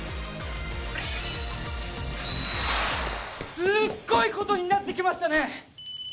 すごいことになってきましたね！